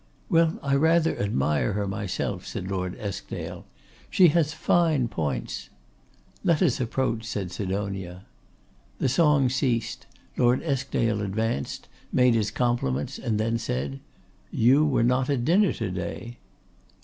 'Well, I rather admire her myself,' said Lord Eskdale. 'She has fine points.' 'Let us approach,' said Sidonia. The song ceased, Lord Eskdale advanced, made his compliments, and then said, 'You were not at dinner to day.